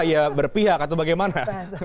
ya berpihak atau bagaimana